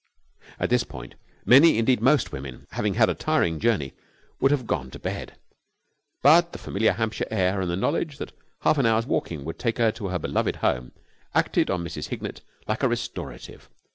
At this point many, indeed most, women, having had a tiring journey, would have gone to bed: but the familiar Hampshire air and the knowledge that half an hour's walking would take her to her beloved home acted on Mrs. Hignett like a restorative.